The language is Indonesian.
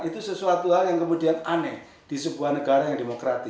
itu sesuatu hal yang kemudian aneh di sebuah negara yang demokratis